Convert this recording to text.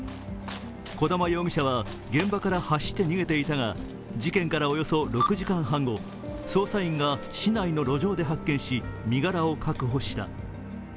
児玉容疑者は現場から走って逃げていたが、事件からおよそ６時間半後、捜査員が市内の路上で発見し身柄を確保した。